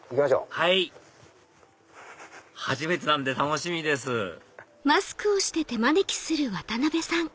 はい初めてなんで楽しみですあっ